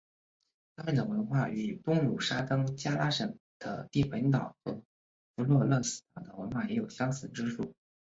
他们的文化与东努沙登加拉省的帝汶岛和弗洛勒斯岛的文化也有相似之处。